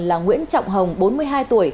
là nguyễn trọng hồng bốn mươi hai tuổi